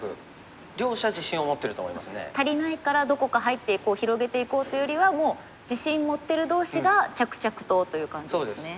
足りないからどこか入っていこう広げていこうというよりはもう自信持ってる同士が着々とという感じですね。